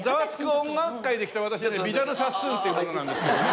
音楽会』で来た私ヴィダル・サスーンっていう者なんですけどね。